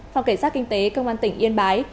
phòng cảnh sát kinh tế công an tỉnh yên bái